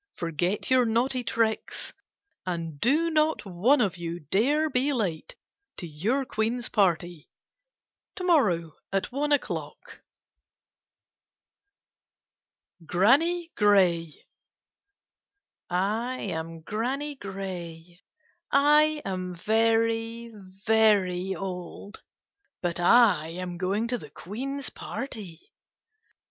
Forget your naughty tricks and do not one of you dare be late to your Queen's party. To morrow at one o'clock. KITTENS Am) OATS GRANNY GRAY I am Granny Gray. I am very, very old, but I am going to the Queen's party.